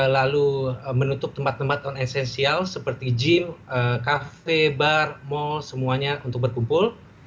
lalu menutup tempat tempat non esensial seperti gym cafe bar mall semuanya untuk berkumpul